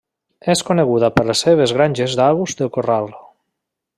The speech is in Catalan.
És coneguda per les seves granges d'aus de corral.